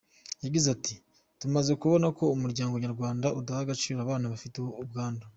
Yagize ati ‘Tumaze kubona ko umuryango nyarwanda udaha agaciro abana bafite ubwandu.